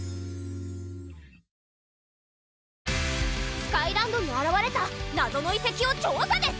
スカイランドにあらわれた謎の遺跡を調査です！